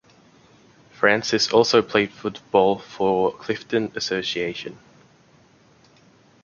Francis also played football for Clifton Association.